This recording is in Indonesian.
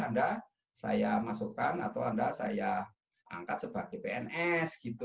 anda saya masukkan atau anda saya angkat sebagai pns